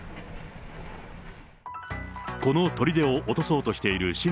このとりでを落とそうとしている親